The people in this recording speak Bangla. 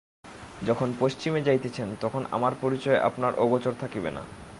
যখন পশ্চিমে যাইতেছেন তখন আমার পরিচয় আপনার অগোচর থাকিবে না।